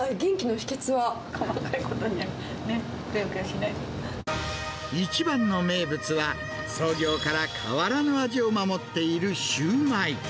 細かいことにはね、くよくよ一番の名物は、創業から変わらぬ味を守っているシューマイ。